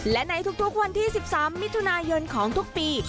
และในทุกวันที่๑๓มิถุนายนของทุกปี